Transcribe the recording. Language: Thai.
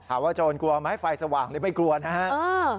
ถามว่าโจรกลัวไหมไฟสว่างนี่ไม่กลัวนะฮะเออ